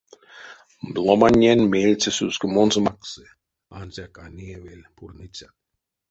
Ломаннень меельце сускомонзо макссы, ансяк а неевель пурныцят.